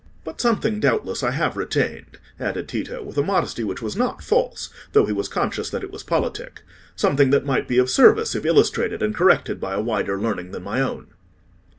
But something doubtless I have retained," added Tito, with a modesty which was not false, though he was conscious that it was politic, "something that might be of service if illustrated and corrected by a wider learning than my own."